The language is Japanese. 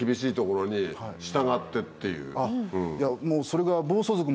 もうそれが。